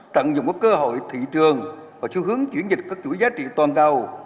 tận dụng các cơ hội thị trường và xu hướng chuyển dịch các chuỗi giá trị toàn cầu